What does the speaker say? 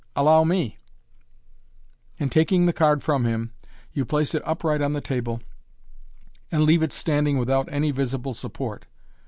Allow me /" and taking the card from him, you place it upright on the table, and leave it standing without any visible support.